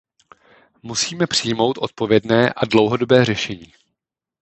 Musíme přijmout odpovědné a dlouhodobé řešení.